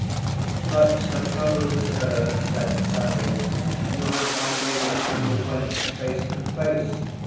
But suppose, Sir, said Sally, you have my lady and the wench face to face!